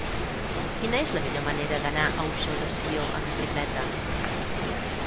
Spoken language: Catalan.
Quina és la millor manera d'anar a Ossó de Sió amb bicicleta?